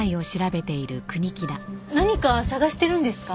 何か捜してるんですか？